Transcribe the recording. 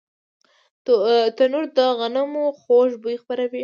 تنور د غنمو خوږ بوی خپروي